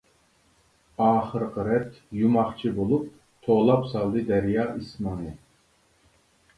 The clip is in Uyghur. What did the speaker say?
ئاخىرقى رەت يۇماقچى بولۇپ، توۋلاپ سالدى دەريا ئىسمىڭنى.